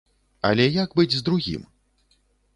Але як быць з другім?